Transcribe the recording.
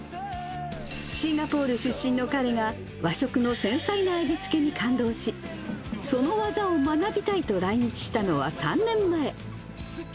シンガポール出身の彼が、和食の繊細な味付けに感動し、その技を学びたいと来日したのは３年前。